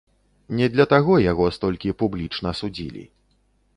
Не для таго яго столькі публічна судзілі.